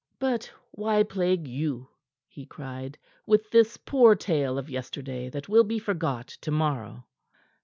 "But why plague you," he cried, "with this poor tale of yesterday that will be forgot to morrow?"